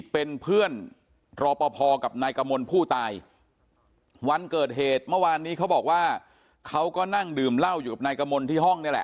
เป็นเพื่อนรอปภกับนายกมลผู้ตายวันเกิดเหตุเมื่อวานนี้เขาบอกว่าเขาก็นั่งดื่มเหล้าอยู่กับนายกมลที่ห้องนี่แหละ